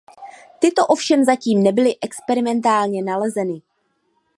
Tyto ovšem zatím nebyly experimentálně nalezeny.